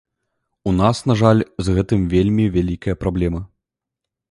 У нас, на жаль, з гэтым вельмі вялікая праблема.